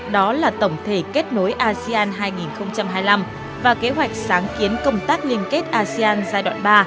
đó là tổng thể kết nối asean hai nghìn hai mươi năm và kế hoạch sáng kiến công tác liên kết asean giai đoạn ba